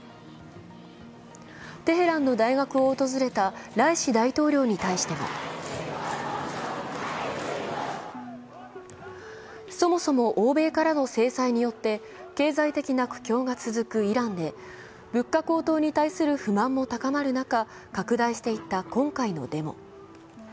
テヘランの大学を訪れたライシ大統領に対してはそもそも欧米からの制裁によって経済的な苦境が続くイランで物価高騰に対する不満も高まる中、拡大していった今回のデモ。